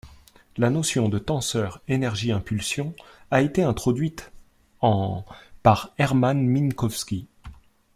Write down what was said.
La notion de tenseur énergie-impulsion a été introduite en par Hermann Minkowski.